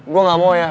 gue gak mau ya